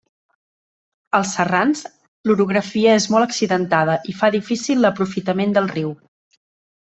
Als Serrans, l'orografia és molt accidentada i fa difícil l'aprofitament del riu.